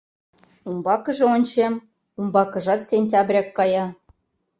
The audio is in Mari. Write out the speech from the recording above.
Умбакыже ончем — умбакыжат сентябряк кая.